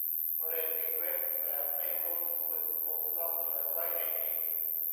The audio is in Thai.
เรตติ้งเว็บ แบบไม่รวมศูนย์ ? ผมลองเสนอไว้ในนี้